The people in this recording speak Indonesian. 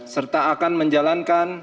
serta akan menjalankan